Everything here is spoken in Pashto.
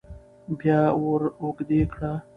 بيا وراوږدې کړه